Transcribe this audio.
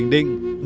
của tỉnh bình định